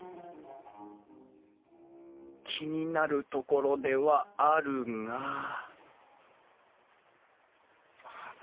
気になるところではあるがアハハハ。